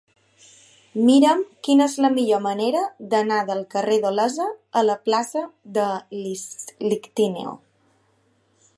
Mira'm quina és la millor manera d'anar del carrer d'Olesa a la plaça de l'Ictíneo.